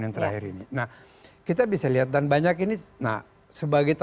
yang kalau barangkali bijanya bertenaga larger game syuine itu